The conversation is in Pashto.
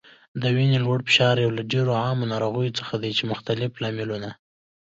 د وینې لوړ فشار یو له ډیرو عامو ناروغیو څخه دی چې مختلف لاملونه